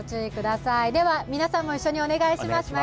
では皆さんも一緒にお願いします。